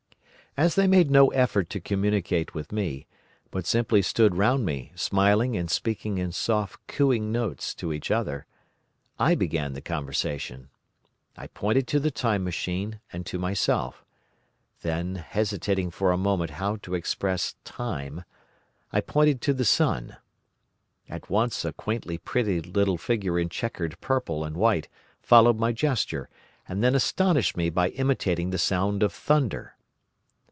"As they made no effort to communicate with me, but simply stood round me smiling and speaking in soft cooing notes to each other, I began the conversation. I pointed to the Time Machine and to myself. Then, hesitating for a moment how to express Time, I pointed to the sun. At once a quaintly pretty little figure in chequered purple and white followed my gesture, and then astonished me by imitating the sound of thunder.